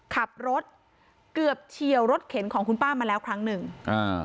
ขับรถเกือบเฉียวรถเข็นของคุณป้ามาแล้วครั้งหนึ่งอ่า